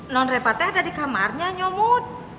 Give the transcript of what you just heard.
non repatnya ada di kamarnya nyomot